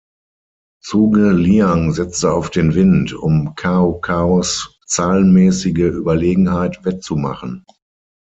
Zhuge Liang setzte auf den Wind, um Cao Caos zahlenmäßige Überlegenheit wettzumachen.